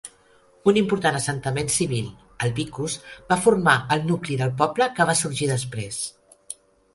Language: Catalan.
Un important assentament civil, el "vicus", va formar el nucli del poble que va sorgir després.